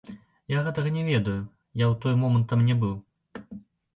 Я гэтага не ведаю, я ў той момант там не быў.